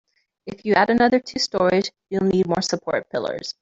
If you add another two storeys, you'll need more support pillars.